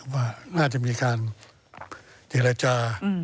ว่าน่าจะมีการเจรจา